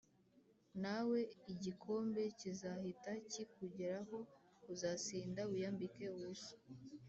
Nawe igikombe kizahita kikugeraho, Uzasinda wiyambike ubusa.